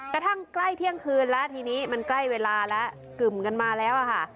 กระทั่งใกล้เที่ยงคืนแล้วทีนี้มันใกล้เวลาแล้วกึ่มกันมาแล้วค่ะ